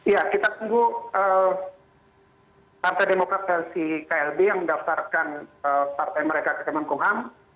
ya kita tunggu partai demokrat versi klb yang mendaftarkan partai mereka ke kemenkumham